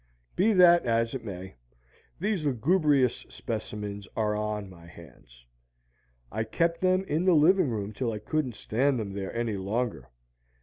Be that as it may, these lugubrious specimens are on my hands. I kept them in the living room till I couldn't stand them there any longer.